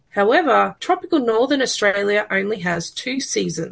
namun australia tenggara tropikal hanya memiliki dua sejarah